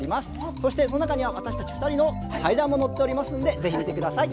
そしてその中には私たちふたりの対談も載っておりますのでぜひ見てください。